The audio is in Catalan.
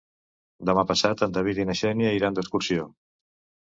Demà passat en David i na Xènia iran d'excursió.